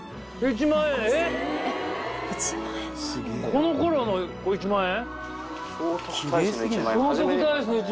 この頃の１万円？